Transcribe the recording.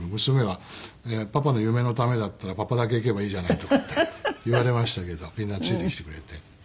娘は「パパの夢のためだったらパパだけ行けばいいじゃない」とかって言われましたけどみんなついてきてくれて。